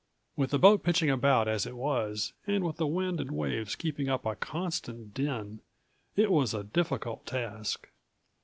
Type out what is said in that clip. With the boat pitching about as it was, and with the wind and waves keeping up a constant din, it was a difficult task.